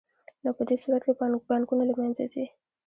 نو په دې صورت کې بانکونه له منځه ځي